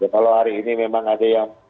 kalau hari ini memang ada yang